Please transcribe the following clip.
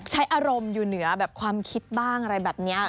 ใช้อารมณ์อยู่เหนือแบบความคิดบ้างอะไรแบบนี้